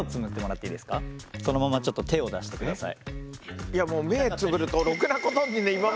そのままちょっと手を出してください。